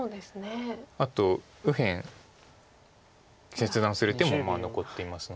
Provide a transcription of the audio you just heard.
あと右辺切断する手も残っていますので。